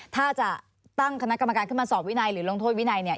ถ้าจะตั้งคณะกรรมการขึ้นมาสอบวินัยหรือลงโทษวินัยเนี่ย